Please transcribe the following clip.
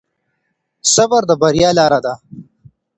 صبر د بريا لاره ده.